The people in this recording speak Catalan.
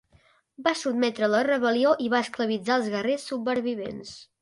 Va sotmetre la rebel·lió i va esclavitzar als guerrers supervivents.